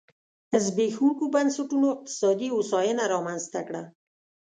زبېښونکو بنسټونو اقتصادي هوساینه رامنځته کړه.